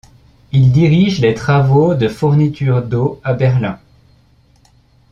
Il dirige les travaux de fourniture d'eau à Berlin.